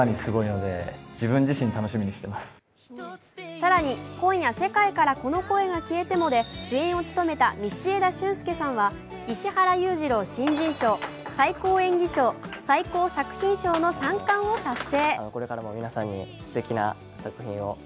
更に、「今夜、世界からこの恋が消えても」で主演を務めた道枝駿佑さんは石原裕次郎新人賞、ファンが選ぶ最高演技賞、最高作品賞の３冠を達成。